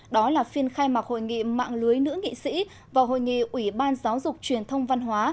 đó là phiên khai mạc hội nghị mạng lưới nữ nghị sĩ và hội nghị ủy ban giáo dục truyền thông văn hóa